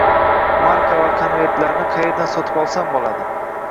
Marka va konvertlarni qayerdan sotib olsam bo'ladi?